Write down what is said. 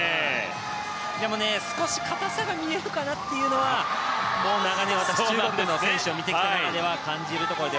でも、少し硬さが見えるかなというのは長年、中国の選手を見てきた中では感じます。